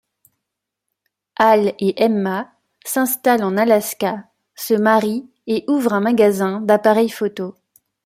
Al et Emma s'installe en Alaska, se marient et ouvre un magasin d'appareils photos.